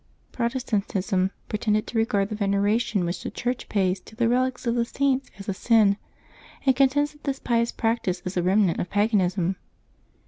QROTESTANTISM pretends to regard the veneration which the Church pays to the relics of the Saints as a sin, and contends that this pious practice is a remnant of paganism.